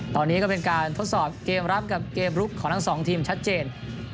ตอนนี้ก็เป็นการทดสอบเกมรับกับเกมลุกของทั้งสองทีมชัดเจน